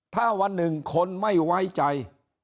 ถ้าวันหนึ่งคนไม่ไว้ใจ